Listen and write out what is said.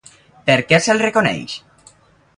Per què se'l reconeix?